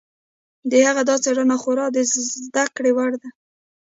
د هغه دا څېړنه خورا د زده کړې وړ ده.